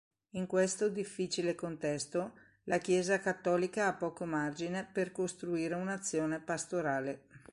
In questo difficile contesto, la Chiesa cattolica ha poco margine per costruire un'azione pastorale.